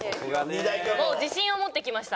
自信を持って来ました。